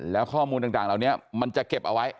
แล้วข้อมูลต่างเหล่านี้มันจะเก็บเอาไว้